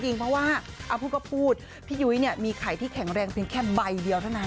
จริงเพราะว่าพูดพี่ยุ้ยมีไข่ที่แข็งแรงเป็นแค่ใบเดียวเท่านั้น